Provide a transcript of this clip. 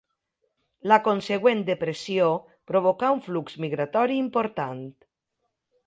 La consegüent depressió provocà un flux migratori important.